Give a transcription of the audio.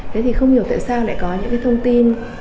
thế thì không hiểu tại sao lại có những cái thông tin